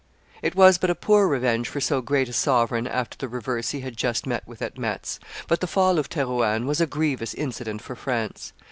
It was but a poor revenge for so great a sovereign after the reverse he had just met with at Metz; but the fall of Therouanne was a grievous incident for France.